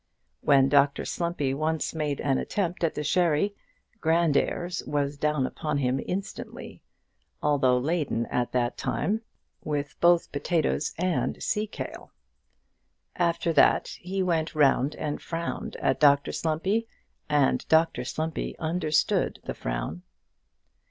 When Dr Slumpy once made an attempt at the sherry, Grandairs was down upon him instantly, although laden at the time with both potatoes and sea kale; after that he went round and frowned at Dr Slumpy, and Dr Slumpy understood the frown.